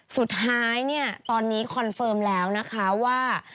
สุดท้ายเนี่ยตอนนี้คอนเฟิร์มแล้วนะคะว่า